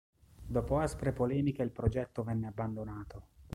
Dopo aspre polemiche il progetto venne abbandonato.